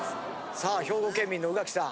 さあ兵庫県民の宇垣さん。